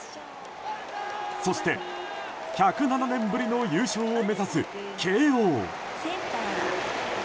そして、１０７年ぶりの優勝を目指す慶応。